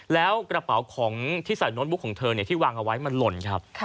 แล้วกระเป๋าของที่ใส่โน้ตบุ๊กของเธอที่วางเอาไว้มันหล่นครับ